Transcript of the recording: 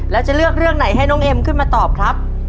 แล้วจะเลือกเรื่องไหนให้น้องเอ็มขึ้นมาตอบครับ